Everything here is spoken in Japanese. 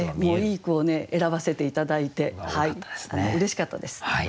いい句を選ばせて頂いてうれしかったです。